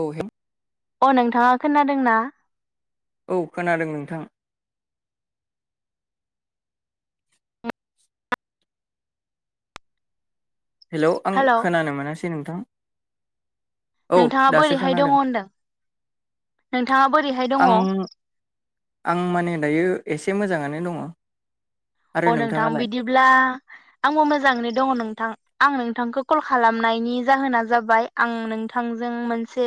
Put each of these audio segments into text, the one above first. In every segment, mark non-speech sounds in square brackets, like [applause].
औ ह [inaudible] अ नोंथाङा खोनादोंना? औ खोनादों नोंथां। हेल आं हेलौ खोनानो मोनास नोंथां औ नोंथाङा दासो बोरैहाय दङ खोनादों होनदों नोंथाङा बोरैहाय दङ अ आं आं माने दायो एसे मोजाङा नो दङ। आरो अ नोंथां नोंथाङालाय बिदिब्ला आंबो मोजाङैनो दङ नोंथां। आं नोंथांखौ कल खालामनायनि जाहोना जाबाय आं नोंथांजों मोनसे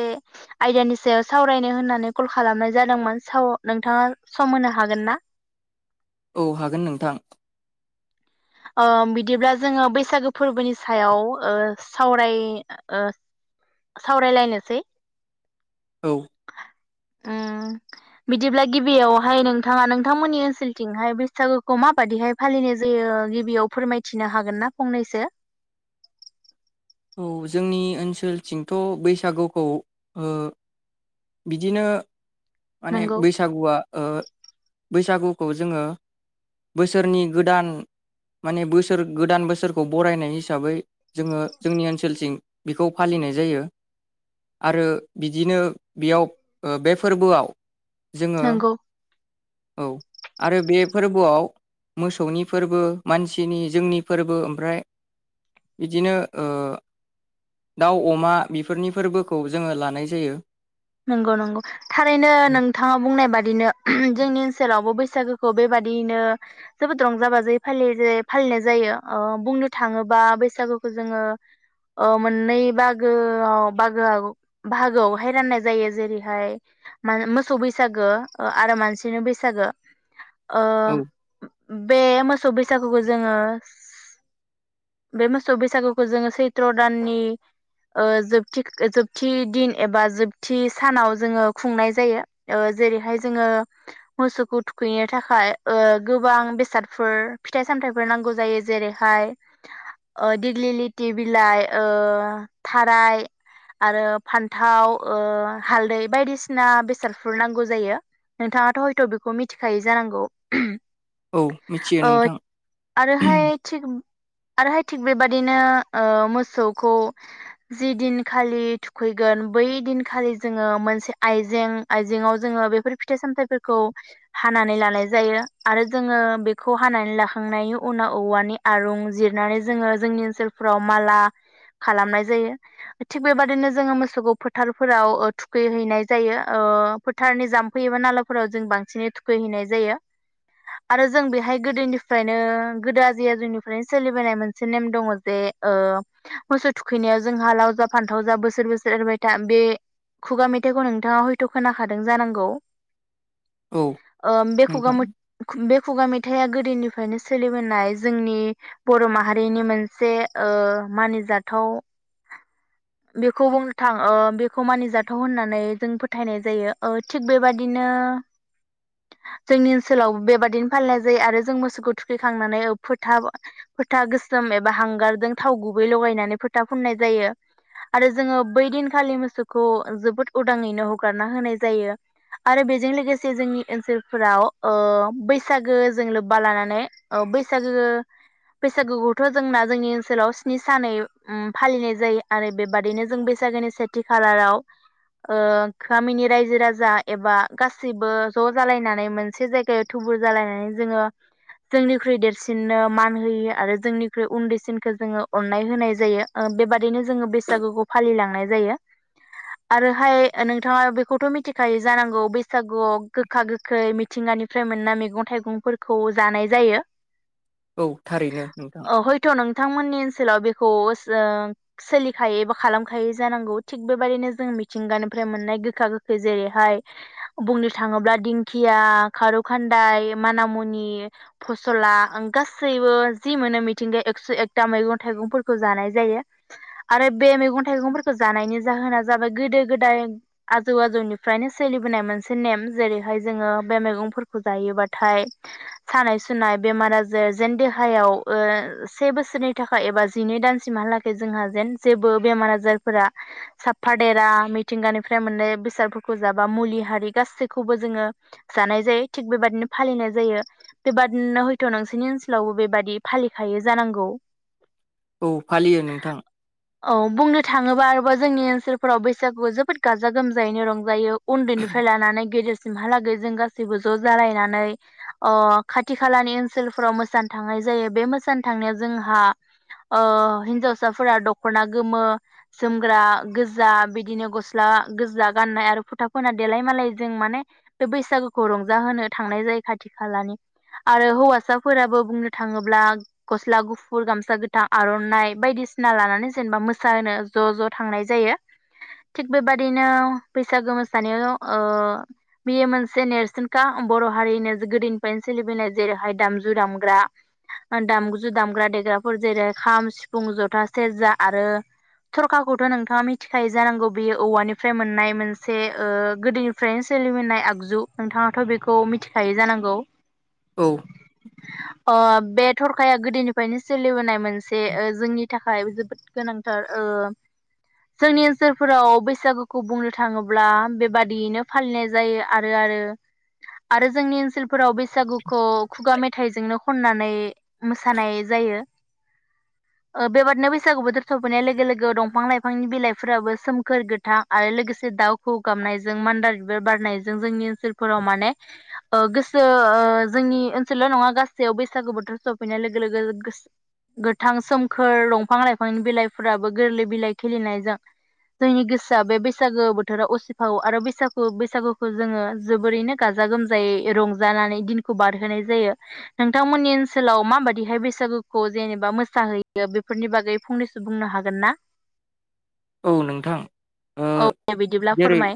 आयदानि सायाव सावरायनो होननानै कल खालामनाय जादोंमोन साव नोंथाङा सम होनो हागोन ना? औ हागोन नोंथां। ओ बिदिब्ला जोङो बैसागो फोरबोनि सायाव ओ सावराय ओ सावरायलायनोसै। औ उम बिदिब्ला गिबियावहाय नोंथाङा नोंथांमोननि ओनसोलथिंहाय बैसागोखौ माबादिहाय फालिनाय जायो गिबियाव फोरमायथिनो हागोन ना फंनैसो? औ जोंनि ओनसोलथिंथ' बैसागुखौ बिदिनो माने नंगौ बैसागुआ ओ बैसागुखौ जोङो बोसोरनि गोदान माने बोसोर गोदान बोसोरखौ बरायनाय हिसाबै जोङो जोंनि ओनसोलथिं बिखौ फालिनाय जायो आरो बिदिनो बेयाव बे फोरबोआव जोङो नंगौ औ आरो बे फोरबोआव मोसौनि फोरबो मानसिनि जोंनि फोरबो आमफ्राय बिदिनो ओ दाउ अमा बेफोरनि फोरबोखौ जोङो लानाय जायो। नंगौ नंगौ थारैनो नोंथाङा बुंनाय बादिनो जोंनि ओन्सोलावबो बै सागुखौ बेबादियिनो जोबोद रंजा बाजायै फालियोजे फालिनाय जायो ओ बुंनो थाङोबा बैसागुखौ जोङो ओ मोननै बागोआव बागोवाव-बाहागोआवहाय राननाय जायो जेरैहाय मानो मोसौ बैसागो ओ आरो मानसिनि बैसागो। ओ औ बे मोसौ बैसागुखौ जोङो बे मोसौ बैसागुखौ जोङो सैत्र दाननि ओ जोबथि जोबथि दिन एबा जोब थि सानाव जोङो खुंनाय जायो ओ जेरैहाय जोङो मोसौखौ थुखैनो थाखाय ओ गोबां बेसादफोर फिथाइ सामथाइफोर नांगौ जायो जेरैहाय ओ दिग्लि लिति बिलाइ ओ थाराय आरो फान्थाव ओ हालदै बायदिसिना बेसादफोर नांगौ जायो नोंथाङाथ हयथ बेखौ मिथिखायै जानांगौ। औ मिथियो ओ नोंथां आरोहाय थिग आरोहाय थिग बेबादिनो ओ मोसौखौ जि दिन खालि थुखैगोन बै दिनखालि जोङो मोनसे आइजें आइजेंआव जोङो बेफोर फिथाइ सामथाइफोरखौ हानानै लानाय जायो आरो जोङो बेखौ हानानै लाखांनायनि उनाव औवानि आरुं जिरनानै जोङो जोंनि ओनसोलफ्राव माला खालामनाय जायो थिग बेबाददिनो जोङो मोसौखौ फो थारफोराव ओ थुखैहैनाय जायो ओ फोथारनि जाम्फै‌ एबा नालाफोराव जों बांसिनै थुखैहैनाय जायो आरो जों बेहाय गोदोनिफ्रायनो गोदो आजै आजौनिफ्रायनो सोलिबोनाय मोनसे नेम दङजे ओ मोसौ थुखैनायाव जोंहा लाव जा फान्थाव जा बोसोर बोसोर एरबाय था बे खुगा मेथाइखौ नोंथाङा हयथ खोनाखादों जानांगौ। औ ओ बे खुगा नोंथां मो बे खुगा मे थाइआ गोदोनिफ्रायनो सोलिबोनाय जोंनि बर' माहारिनि मोनसे ओ मानिजाथाव बेखौ बुं थां ओ बेखौ मानिजाथाव होननानै जों फोथायनाय जायो ओ थिग बेबादिनो जोंनि ओनसोलावबो बेबादिनो फालिनाय जायो आरो जों मोसौखौ थुखैखांनानै फोथा फोथा गोसोम एबा हांगारजों थाव गुबै लगायनानै फोथा फुननाय जायो आरो जोङो बै दिनखालि मोसौखौ जोबोद उदाङैनो हगारना होनाय जायो आरो बेजों लोगोसे जोंनि ओनसोलफोराव ओ बैसागो जों लोब्बा लानानै ओ बैसागो बैसागोखौथ जोंना जोंनि ओनसोलाव स्नि उम सानै फालिनाय जायो आरो बेबादिनो जों बै सागोनि सेथि खालाराव ओ गामिनि रायजो राजा एबा गासैबो ज जालायनानै मोनसे जायगायाव थुबुर जालायनानै जोङो जोंनिख्रुइ देरसिननो मान होयो आरो जोंनिख्रुइ उन्दैसिनखो जोङो अननाय होनाय जायो ओ बेबादिनो जोङो बैसागुखौ फालिलां नाय जायो आरोहाय नोंथाङा बेखौथ मिथिखायो जानांगौ बैसागुआव गोखा गोखै मिथिंगानिफ्राय मोननाय मैगं थाइगंफोरखौ जानाय जायो। औ थारैनो नोंथां अ हयथ नोंथांमोननि ओनसोलाव बेखौ जों सोलिखायो एबा खालाम खायो जानांगौ थिग बेबादिनो जों मिथिंगानिफ्राय मोननाय गोखा गोखै जेरैहाय बुंनो थाङोब्ला दिंखिया खारौ खान्दाय मानामुनि फसला ओं गासैबो जि मोनो मिथिंगाया एक्स एकता मैगं थाइगंफोरखौ जानाय जायो आरो बे मैगं थाइगंफोरखौ जानायनि जाहोना जाबाय गोदो गोदाय आजौ आजौनिफ्रायनो सोलिबोनाय मोनसे नेम जेरैहाय जोङो बे मैगंफोरखौ जायोबाथाय सानाय सुनाय बेमार आजार जेन देहायाव ओ से बोसोरनि थाखाय एबा जिनै दानसिमहालागै जोंहा जेन जेबो बेमार आ जारफोरा साफादेरा मिथिंगानिफ्राय मोननाय बेसादफोरखौ जाबा मुलि हारि गासैखौबो जोङो जानाय जायो थिग बेबादिनो फालिनाय जायो बेबादिनो हयथ नोंसोरनि ओनसोलावबो बेबादि फालिखायो जानांगौ। औ फालियो नोंथां। औ बुंनो थाङोबा आरोबा जोंनि ओनसोलफोराव बैसागुआव जोबोद गाजा गोमजायैनो रंजायो। उन्दैनिफ्राय लानानै गेदेर सिमहालागै जों गासैबो ज जालायनानै खाथि खालानि ओनसोलफोराव मोसानो थांनाय जायो बे मोसानो थांनायाव जोंहा हिन्जावसाफोरा दख'ना गोमो जोमग्रा गोजा बिदिनो गस्ला गोजा गाननाय आरो फुथा फोना देलाय मालायजों माने बे बैसागोखौ रंजाहो थांनाय जायो खाथि खालानि आरो हौवासाफोराबो बुंनो थाङोब्ला गस्ला गुफुर गामसा गोथां आरनाइ बायदिसिना लानानै जेनेबा मो सानो ज ज थांनाय जायो थिग बेबादिनो बैसागो मोसानायाव ओ बेयो मोनसे नेरसोनखा बर' हारिनो गोदोनिफ्रायनो सोलिबोनाय जेरैहाय दामजु दामग्रा दामग्जु दामग्रा देग्राफोर जेरै खाम सिफुं जथा सेरजा आरो थरखाखौथ नोंथाङा मिथिखायो जानांगौ बेयो औवानिफ्राय मोननाय मोनसे ओ गोदोनिफ्रायनो सोलिबोननाय आगजु नोंथाङाथ बेखौ मिथिखायो जानांगौ। औ अ। बे थरखाया गोदोनिफ्रायनो सोलिबोनाय मोनसे ओ जोंनि थाखाय जोबोद गोनां। थार ओ जोंनि ओनसोलफोराव बैसागुखौ बुंनो थाङोब्ला बेबादियैनो फालिनाय जायो आरो आरो आरो जोंनि ओनसोलफोराव बैसागुखौ खुगा मेथाइजोंनो खननानै मोसानाय जायो ओ बेबादिनो बैसागु बोथोर सफैनाय लोगो लोगो दंफां लाइफांनि बिलाइफोराबो सोमखोर गोथां आरो लोगोसे दाउ खौवौ गाबनायजों मान्दार बिबार बारनायजों जोंनि ओनसोलफोराव माने ओ गोसो ओ जोंनि ओनसोलल नङा गासैयाव बैसागु बोथोर सफैनाय लोगो लोगो गोस गोथां सोमखोर दंफां लाइफां बिलाइफोराबो गोरलै बिलाइ खिलिनायजों जोंनि गोसोआ बे बैसागो बोथोराव असिफावो आरो बैसागु-बैसागुखौ जोङो जोबोरैनो गाजा गोमजायै रंजानानै दिनखौ बारहोनाय जायो नोंथांमोननि ओनसोलाव माबादिहाय बैसागुखौ जेनेबा मोसाहैयो बेफोरनि बागै फंनैसो बुंनो हागोन ना? औ नोंथां ओ औ दे बिदिब्ला जेरै फोरमाय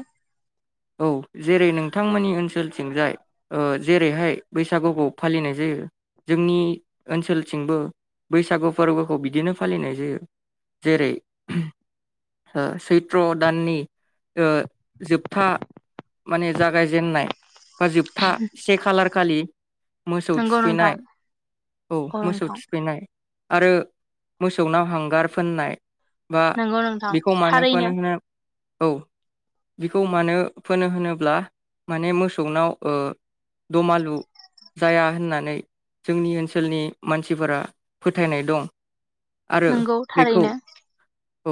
औ जेरै नोंथांमोननि ओनसोल थिंजाय ओ जेरैहाय बैसागुखौ फालिनाय जायो जोंनि ओनसोलथिंबो बैसागु फोरबोखौ बिदिनो फालिनाय जायो जेरै सैत्र दाननि ओ जोबथा माने जागायजेननाय बा जोबथा से खालार खालि मोसौ नंगौ नोंथां थुखैनाय औ मोसौ थुखैनाय। आरो मोसौनाव हांगार फोननाय बा नंगौ नोंथां बेखौ मानो थारैनो औ बिखौ मानो फोनो होनोब्ला माने मोसौनाव दमालु जाया होननानै जोंनि ओनसोलनि मानसिफोरा फोथायनाय दं। आरो नोंगौ बेखौ थारैनो औ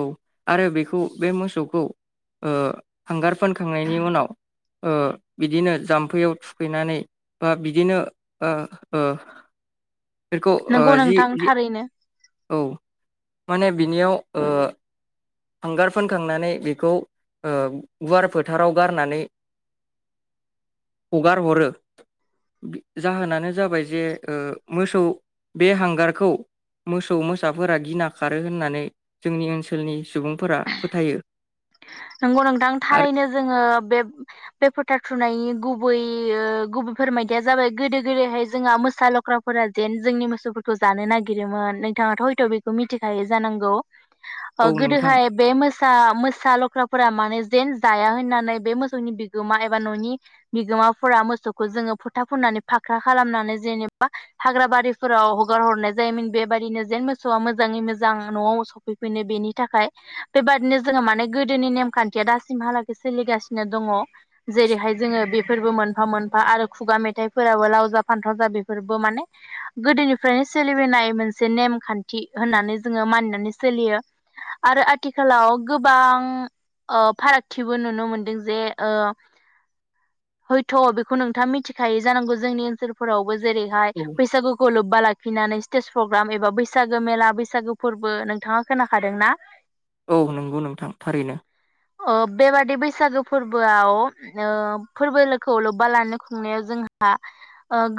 आरो बेखौ बे मोसौखौ हांगार ओ फोनखांनायनि उनाव ओ बिदिनो जाम्फैयाव थुखैनानै बा बिदिनो ओ ओ बेखौ ओ नंगौ जि नोंथां जि थारैनो औ माने बिनियाव ओ हांगार फोनखांनानै बेखौ ओ गुवार फोथाराव गारनानै हगार हरो जाहोनानो जाबाय जे ओ मोसौ बे हांगारखौ मोसौ मोसाफोरा गिना खारो होननानै जोंनि ओनसोलनि सुबुंफोरा फोथायो। नंगौ नोंथां आरो थारैनो जोङो बे बे फोथार थुनायनि गुब बै गुबै फोरमायदिया जाबाय गोदो-गोदायहाय जोंहा मोसा लख्राफोरा जेन जोंनि मोसौफोरखौ जानो नागिरोमोन नोंथाङाथ' हयथ' बेखौ मिथिखायो जानांगौ। औ ओ नोंथां गोदोहाय बे म मोसा, लख्रा फोरा माने जेन जाया होननानै बे मोसौनि बिगोमा एबा न'नि बिगोमाफोरा मोसौखौ जोङो फोथा फुननानै फाख्रा खालामनानै जेनेबा हाग्रा बारिफोराव हगार हरनाय जायोमोन बेबायादिनो जेन मोसौआ मोजाङै मोजां न'आव सफैफिनो बेनि थाखाय बेबादिनो जोङो माने गो गोदोनि नेमखान्थिया दासिमहालागै सोलिगासिनो दङ जेरैहाय जोङो बेफोरबो मोनफा मोनफा आरो खुगा मेथाइफोराबो लावजा फान्थाव जा बेफोरबो माने गोदोनिफ्रायनो सोलिबोनाय मोनसे नेमखान्थि होननानै जोङो मानिनानै सोलियो आरो आथिखालाव गोबां आ फारागथिबो नुनो मोनदों जे हयथ' बेखौ नोंथाङा मिथिखायोै जानांगौ जोंनि ओनसोलफोराव जेरैहाय औ बैसागुखौ लोबबा ला फिननानै स्टेज प्रग्राम एबा बैसागो मेला बैसागो फोरबो नोंथाङा खोनाखादोंना औ नंगौ नोंथां थारैनो ओ बेबादि बैसागो फोरबोआव फोरबोखौ लोब्बा लाखिनो खुंनायाव जोंहा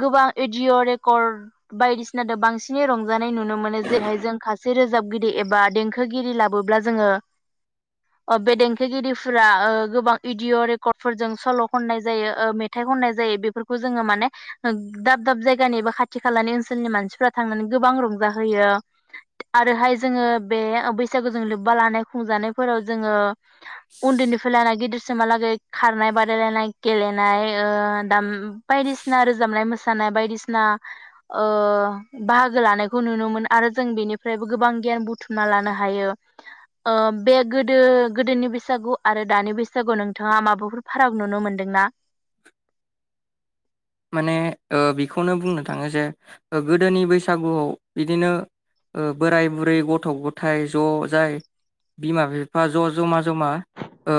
गोबां एडिय' रेकर्ड बायदिसिनाथ बांसिनै रंजानाय नुनो मोनो जेरैहाय जों खासे रोजाबगिरि एबा देंखोगिरि लाबोब्ला जोङो ओ बे देंखोगिरिफोरा ओ गोबां इडिअ' रेकर्डफोरजों सल' खननाय जायो ओ मेथाइ खननाय जायो बेफोरखौ जोङो माने दाब दाब जायगानि बा खाथि खालानि ओनसोलनि मानसिफ्रा थांनानै गोबां रंजाहोयो आरोहाय जोङो बे बैसागोजों लोब्बा लानाय खुंजानाय फोराव जोङो उन्दैनिफ्राय लानानै गिदिरसिमहालागै खारनाय बादायलायनाय गेलेनाय ओ दाम बायदिसिना रोजाबनाय मोसानाय बायदिसिना ओ बाहागो लानायखौ नुनो मोनो आरो जों बेनिफ्रायबो गोबां गियान बुथुमना लानो हायो। बे गोदो गोदोनि बैसागु आरो दानि बैसागु नोंथाङा माबाफोर फाराग नुनो मोनदोंना? माने ओ बेखौनो बुंनो थाङो जे गोदोनि बैसागुआव बिदिनो ओ बोराय बुरै गथ' गथाय ज' जाय बिमा बिफा ज' जमा जमा ओ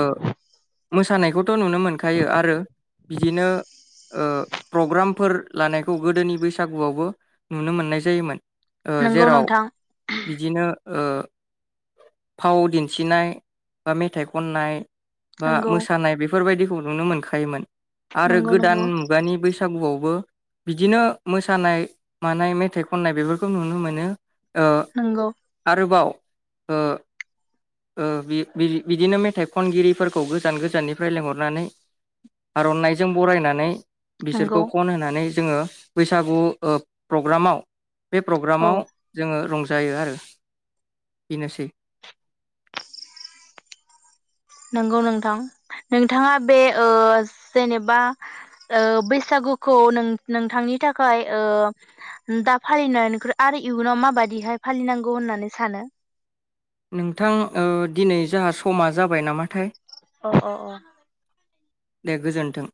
मोसानायखौथ' नुनो मोनखायो आरो बिदिनो ओ प्रग्रामफोर लानायखौ गोदोनि बैसागुआवबो नुनो मोननाय जायोमोन। ओ नंगौ जेराव नोंथां बिदिनो ओ फाव दिन्थिनाय बा, मेथाइ खननाय बा नंगौ मोसानाय बेफोरबायदि नुनो मोनखायोमोन। आरो नंगौ गोदान नंगौ मुगानि बै आवबो बिदिनो मोसानाय मानाय मेथाइ खननाय बेफोरखौ नुनो मोनो। ओ नंगौ आरोबाव ओ ओ बिदिनो मेथाइ खनगिरिफोरखौ गोजान गोजाननिफ्राय लिंहरनानै आर'नाइजों बरायनानै नंगौ बिसोरखौ खन होनानै जोङो। बैसागु ओ प्रग्रामाव बे औ प्रग्रामाव जोङो रं जायो आरो बेनोसै। नंगौ नोंथां नोंथाङा बे ओ जेनेबा ओ बैसागुखौ नों-नोंथांनि थाखाय ओ दा फालिनायख आरो इयुनाव माबादिहाय फालिनांगौ होननानै सानो। नोंथां ओ दिनै जाहा समा जाबाय नामाथाय। अ अ अ दे गोजोन्थों।